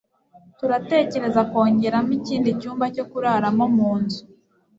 Turatekereza kongeramo ikindi cyumba cyo kuraramo munzu